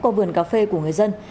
qua vườn cà phê của người dân